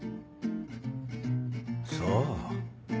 そう。